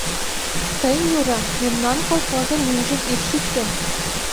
— Тый, Нюра, мемнан колхозын лӱмжым ит шӱктӧ.